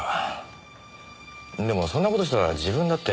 でもそんな事したら自分だって。